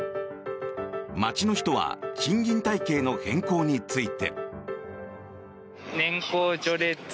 街の人は賃金体系の変更について。